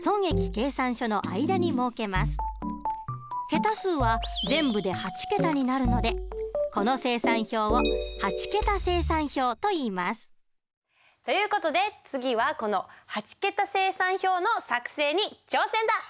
桁数は全部で８桁になるのでこの精算表を８桁精算表といいます。という事で次はこの８桁精算表の作成に挑戦だ！